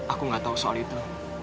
aku nggak tahu soal itu